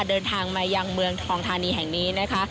เดินทางมายังเมืองทองธานีแห่งนี้นะคะ